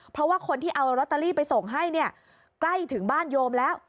เพราะว่าคนที่เอาลอตเตอรี่ไปส่งให้เนี่ยใกล้ถึงบ้านโยมแล้ว